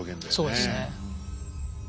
そうですね。